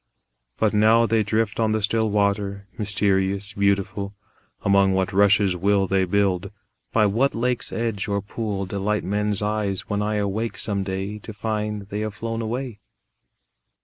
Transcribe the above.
But now they drift on the still water, Mysterious, beautiful; Among what rushes will they build, By what lake's edge or pool Delight men's eyes when I awake some day To find they have flown away?